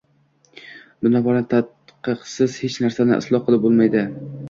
Binobarin tadqiqsiz hech narsani isloh qilib ham bo‘lmaydi.